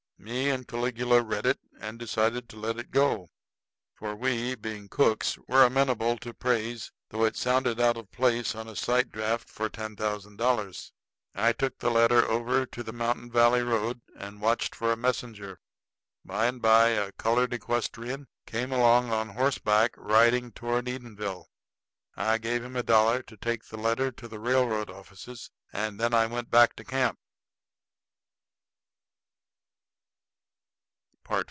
Me and Caligula read it, and decided to let it go; for we, being cooks, were amenable to praise, though it sounded out of place on a sight draft for ten thousand dollars. I took the letter over to the Mountain Valley road and watched for a messenger. By and by a colored equestrian came along on horseback, riding toward Edenville. I gave him a dollar to take the letter to the railroad offices; and then I went back to camp.